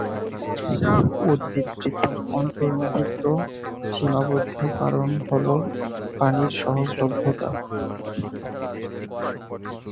উদ্ভিদ বৃদ্ধির অন্তর্নিহিত সীমাবদ্ধ কারণ হলো পানির সহজলভ্যতা।